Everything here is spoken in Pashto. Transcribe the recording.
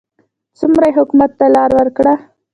څومره یې حکومت ته لار وکړه.